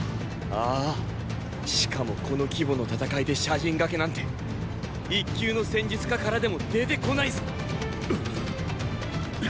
ああしかもこの規模の戦いで斜陣がけなんて一級の戦術家からでも出てこないぞ！！！